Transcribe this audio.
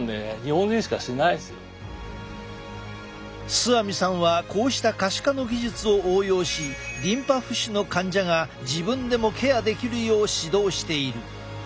須網さんはこうした可視化の技術を応用しリンパ浮腫の患者が自分でもケアできるよう指導している。